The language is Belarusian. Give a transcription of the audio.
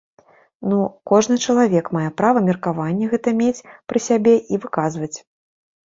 Ну, кожны чалавек мае права меркаванне гэтае мець пры сабе і выказваць.